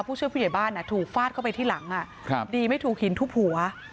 ช่วยผู้ใหญ่บ้านถูกฟาดเข้าไปที่หลังดีไม่ถูกหินทุบหัว